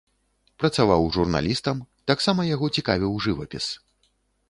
Працаваў журналістам, таксама яго цікавіў жывапіс.